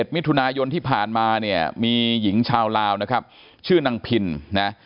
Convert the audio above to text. มิถุนายนที่ผ่านมาเนี่ยมีหญิงชาวลาวนะครับชื่อนางพินนะ